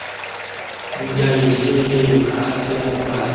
Imbwa yijimye yiruka hafi y'amazi